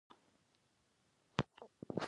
ما هغه ته وویل چې سرپناه غواړم.